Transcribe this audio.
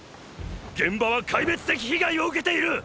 現場は壊滅的被害を受けている！！